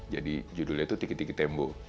jadi judulnya itu tiki tiki tembo